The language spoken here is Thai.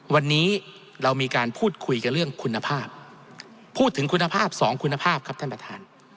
วันนี้เรามีการพูดคุยกับเรื่องคุณภาพพูดถึงคุณภาพสองคุณภาพครับท่านประธาน